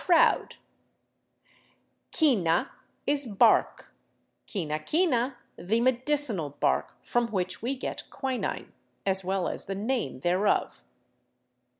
crowd ; quina is bark, quinaquina, the medicinal bark from which we get quinine, as well as the name thereof.